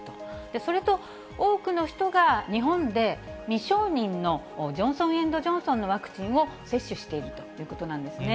それと、多くの人が日本で、未承認のジョンソン・エンド・ジョンソンのワクチンを接種しているということなんですね。